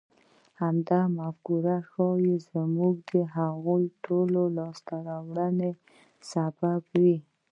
همدا مفکوره ښايي زما د هغو ټولو لاسته راوړنو سبب وي.